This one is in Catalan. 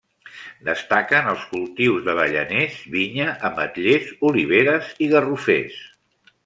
Destaquen els cultius d'avellaners, vinya, ametllers, oliveres i garrofers.